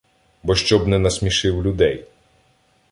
Бо щоб не насмішив людей.